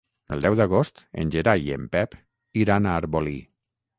El deu d'agost en Gerai i en Pep iran a Arbolí.